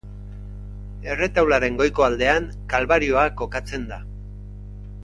Erretaularen goiko aldean Kalbarioa kokatzen da.